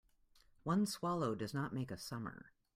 One swallow does not make a summer.